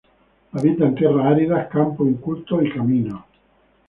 Habita en tierras áridas, campos incultos y caminos.